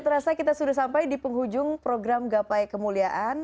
terasa kita sudah sampai di penghujung program gapai kemuliaan